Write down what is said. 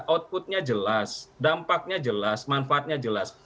output nya jelas dampaknya jelas manfaatnya jelas